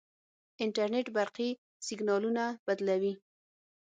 انټرنیټ برقي سیګنالونه بدلوي.